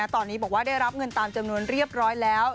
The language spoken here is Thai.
ตอนนี้บอกว่าได้รับเงินตามจำนวนเรียบร้อยแล้ว